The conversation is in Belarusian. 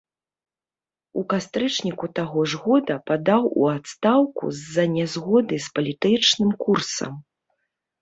У кастрычніку таго ж года падаў у адстаўку з-за нязгоды з палітычным курсам.